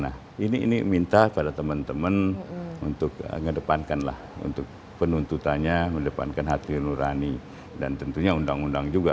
nah ini minta pada teman teman untuk kedepankanlah untuk penuntutannya mendepankan hati nurani dan tentunya undang undang juga